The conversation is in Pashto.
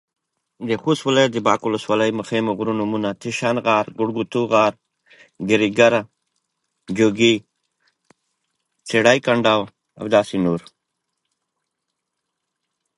پروژې لرو او د خلکو خدمت د ځان ویاړ بولو.